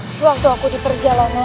sewaktu aku di perjalanan